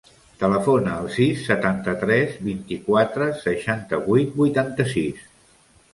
Telefona al sis, setanta-tres, vint-i-quatre, seixanta-vuit, vuitanta-sis.